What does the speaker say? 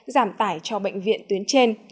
giảm tải cho bệnh viện tuyến trên